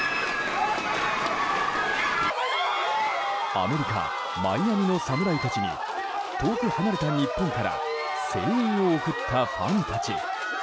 アメリカ・マイアミの侍たちに遠く離れた日本から声援を送ったファンたち。